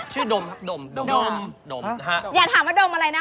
ชื่อโดมครับโดมฮะอย่าถามว่าโดมอะไรนะคะ